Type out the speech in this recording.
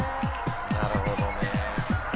「なるほどね」